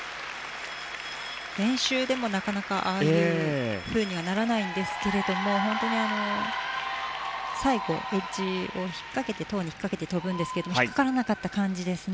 練習でもなかなかああいうふうにならないんですが最後エッジをトウに引っ掛けて跳ぶんですが引っかからなかった感じですね。